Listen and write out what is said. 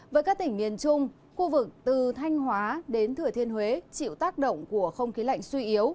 với các tỉnh miền trung khu vực từ thanh hóa đến thừa thiên huế chịu tác động của không khí lạnh suy yếu